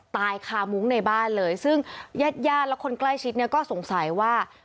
ตายคามุ้งในบ้านเลยซึ่งญาติญาติและคนใกล้ชิดเนี่ยก็สงสัยว่า